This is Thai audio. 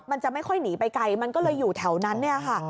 มันจะไม่ค่อยหนีไปไกลมันก็เลยอยู่แถวนั้น